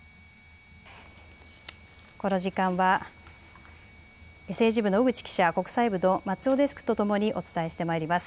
この時間は政治部の小口記者、国際部の松尾デスクとともにお伝えしてまいります。